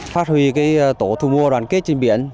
phát huy tổ thu mua đoàn kết trên biển